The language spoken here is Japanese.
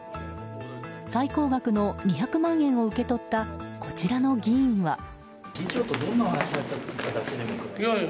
最高額の２００万円を受け取ったこちらの議員は。